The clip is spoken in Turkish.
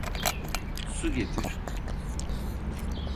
Su getir.